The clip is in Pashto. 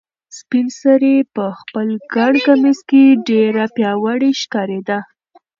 سپین سرې په خپل ګڼ کمیس کې ډېره پیاوړې ښکارېده.